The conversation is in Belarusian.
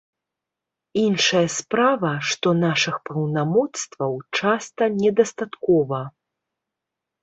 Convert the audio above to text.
Іншая справа, што нашых паўнамоцтваў часта недастаткова.